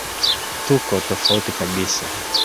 tuko tofauti kabisa